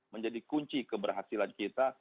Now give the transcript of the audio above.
menjadi kunci keberhasilan kita